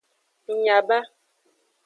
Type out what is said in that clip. Ng nya ba.